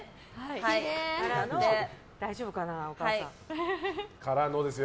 大丈夫かな、お母さん。